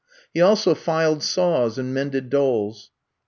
He also filed saws and mended dolls.